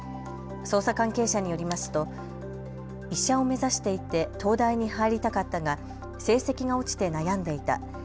捜査関係者によりますと医者を目指していて東大に入りたかったが成績が落ちて悩んでいた。